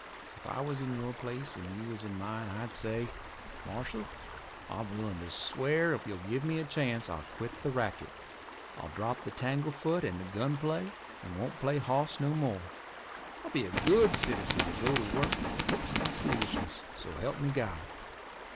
If I was in your place and you was in mine I'd say: 'Marshal, I'm willin' to swear if you'll give me the chance I'll quit the racket. I'll drop the tanglefoot and the gun play, and won't play hoss no more. I'll be a good citizen and go to work and quit my foolishness. So help me God!